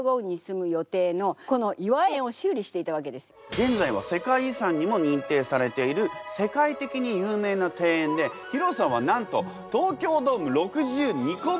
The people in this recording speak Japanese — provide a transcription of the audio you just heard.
げんざいは世界遺産にも認定されている世界的に有名な庭園で広さはなんと東京ドーム６２こ分！